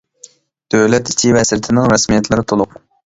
دۆلەت ئىچى ۋە سىرتىنىڭ رەسمىيەتلىرى تولۇق.